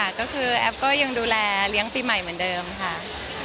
ก็คือแอฟก็ยังดูแลเลี้ยงปีใหม่เหมือนเดิมค่ะ